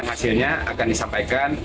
hasilnya akan disampaikan